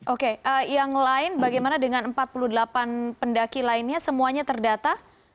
oke yang lain bagaimana dengan empat puluh delapan pendaki lainnya semuanya terdata